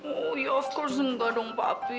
oh ya tentu saja enggak dong papi